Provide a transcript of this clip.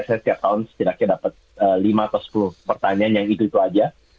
saya setiap tahun setidaknya dapat lima atau sepuluh pertanyaan yang itu itu aja